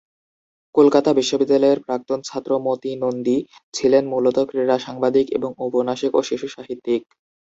কলকাতা বিশ্ববিদ্যালয়ের প্রাক্তন ছাত্র মতি নন্দী ছিলেন মূলত ক্রীড়া সাংবাদিক এবং উপন্যাসিক ও শিশু সাহিত্যিক।